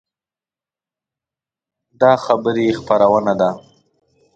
دا خبري خپرونه ده